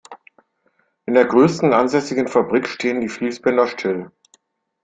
In der größten ansässigen Fabrik stehen die Fließbänder still.